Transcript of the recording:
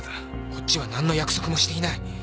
こっちはなんの約束もしていない。